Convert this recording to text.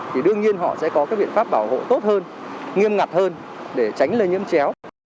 thì đương nhiên họ sẽ có cái biện pháp bảo hộ tốt hơn nghiêm ngặt hơn để tránh lây nhiễm chéo